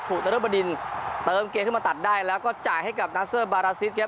นรบดินเติมเกมขึ้นมาตัดได้แล้วก็จ่ายให้กับนาเซอร์บาราซิสครับ